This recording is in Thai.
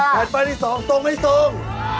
เป็นไฟที่๒ตรงหรือตรง